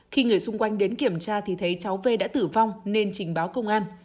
khi người xung quanh đến kiểm tra thì thấy cháu v đã tử vong nên trình báo công an